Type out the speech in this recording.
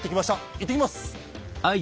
いってきます！